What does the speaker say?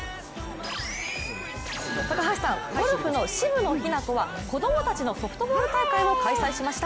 ゴルフの渋野日向子は子供たちのソフトボール大会を開催しました。